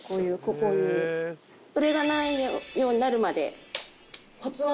それがないようになるまで。